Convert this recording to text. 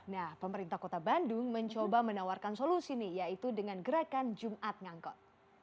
nah pemerintah kota bandung mencoba menawarkan solusi nih yaitu dengan gerakan jumat ngangkot